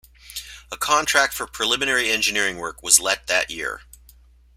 A contract for preliminary engineering work was let that year.